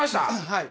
はい。